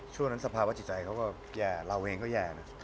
ช่วงนั้นสภาพจิตรัยเหย่อเราเองก็เหย่านะ